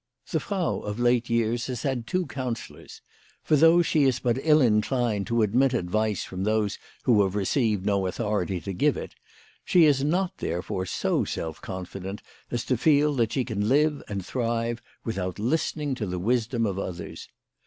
The Frau of late years has had two counsellors ; for though she is but ill inclined to admit advice from those who have received no authority to give it, she is not therefore so self confident as to feel that she can live and thrive without listening to the wisdom of others.